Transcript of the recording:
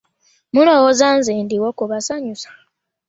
Mulowooza nze ndiwo kubasanyusa?